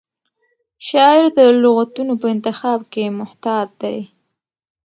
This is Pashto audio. شاعر د لغتونو په انتخاب کې محتاط دی.